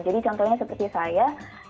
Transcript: jadi contohnya seperti saya